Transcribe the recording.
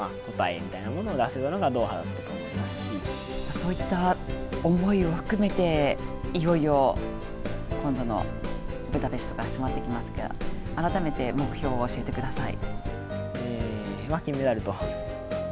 そういった思いを含めていよいよ今度のブダペストが始まりますが、改めて目標を教えてください。